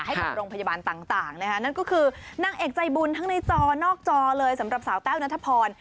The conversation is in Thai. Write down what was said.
ให้กับโรงพยาบาลต่างนะคะนั่นก็คือนางเอกใจบุญทั้งในจอนอกจอเลยสำหรับสาวแต้วนัทพร